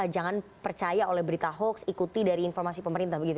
jangan percaya oleh berita hoax ikuti dari informasi pemerintah begitu